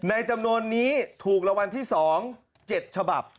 จำนวนนี้ถูกรางวัลที่๒๗ฉบับ